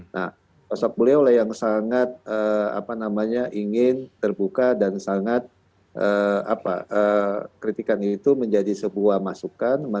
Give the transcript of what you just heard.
nah sosok beliau lah yang sangat ingin terbuka dan sangat kritikan itu menjadi sebuah masukan